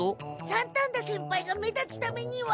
三反田先輩が目立つためには。